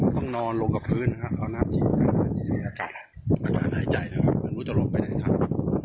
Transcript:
ต้องนอนลงกับพื้นนะครับเอาน้ำฉีดอากาศหายใจนะครับไม่รู้จะลงไปในถ้ำ